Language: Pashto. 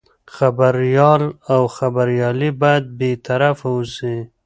خبریال او خبریالي باید بې طرفه اوسي.